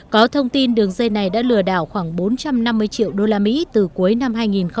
có thông tin đường dây này đã lừa đảo khoảng bốn trăm năm mươi triệu đô la mỹ từ cuối năm hai nghìn một mươi sáu